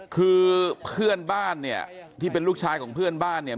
คือเพื่อนบ้านเนี่ยที่เป็นลูกชายของเพื่อนบ้านเนี่ย